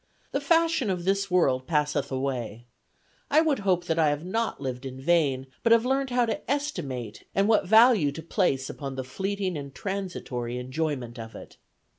The fashion of this world passeth away I would hope that I have not lived in vain, but have learnt how to estimate and what value to place upon the fleeting and transitory enjoyment of it.